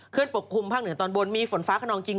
เครื่องปกคลุมภาคเหนือตอนบนมีฝนฟ้าขนองจริงค่ะ